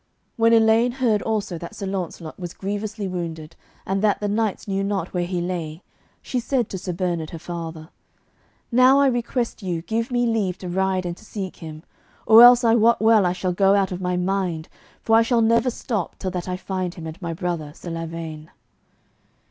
When Elaine heard also that Sir Launcelot was grievously wounded and that the knights knew not where he lay, she said to Sir Bernard, her father: "Now I request you give me leave to ride and to seek him, or else I wot well I shall go out of my mind, for I shall never stop till that I find him and my brother, Sir Lavaine."